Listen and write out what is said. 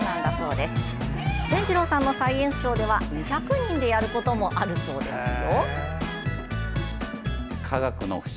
でんじろうさんのサイエンスショーでは２００人でやることもあるそうですよ。